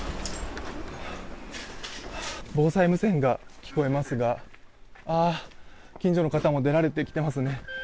防災無線が聞こえますが、近所の方も出られてきていますね。